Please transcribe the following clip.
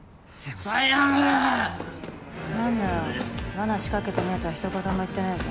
罠仕掛けてねぇとはひと言も言ってねぇぞ。